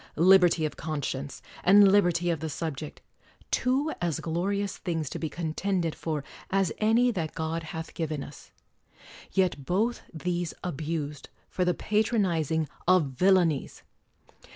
Liberty of conscience, and liberty of the subject, — two as glorious things to be con tended for as any that God hath given us; yet both these abused for the patronizing of villain ies